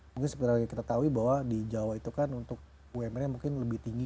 mungkin seperti kita tahu bahwa di jawa itu kan untuk umr nya mungkin lebih tinggi